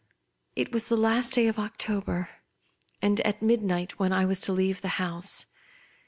It was the last day of October, and at midnight, when I was to leave the house.